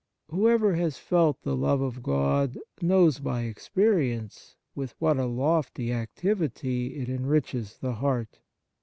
Whoever has felt the love of God knows by experience with what a lofty activity it enriches the heart.